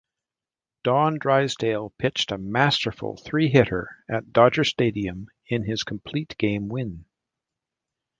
Don Drysdale pitched a masterful three-hitter at Dodger Stadium in his complete-game win.